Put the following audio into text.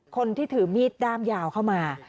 คนที่ถือมีดด้ามยาวเข้ามา